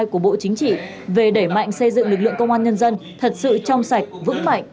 của bộ chính trị về đẩy mạnh xây dựng lực lượng công an nhân dân thật sự trong sạch vững mạnh